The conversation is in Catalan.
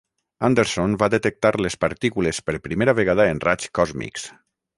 Anderson va detectar les partícules per primera vegada en raigs còsmics.